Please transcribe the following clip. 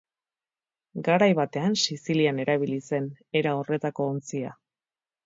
Garai batean Sizilian erabili zen era horretako ontzia.